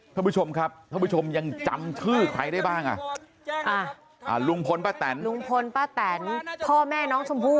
ท่านผู้ชมครับท่านผู้ชมยังจำชื่อใครได้บ้างอ่ะลุงพลป้าแตนลุงพลป้าแตนพ่อแม่น้องชมพู่